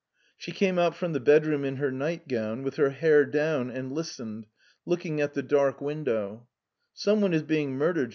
" She came out of the bedroom in her nightgown, with her hair down, and stood listening and staring out of the dark window c< Somebody is being murdered!"